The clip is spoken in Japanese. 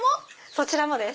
そちらもです。